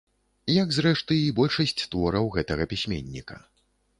Як, зрэшты, і большасць твораў гэтага пісьменніка.